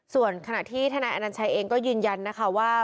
ส่วนขนาดที่ธานาคิโนมนิย์อนัญชัยเองก็ยืนยันว่า